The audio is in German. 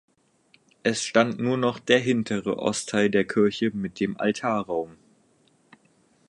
Es stand nur noch der hintere Ostteil der Kirche mit dem Altarraum.